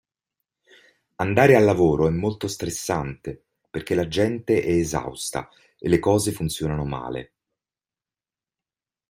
Andare a lavoro è molto stressante perché la gente è esausta e le cose funzionano male.